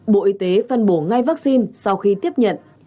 bộ y tế phân bổ ngay vaccine sau khi tiếp nhận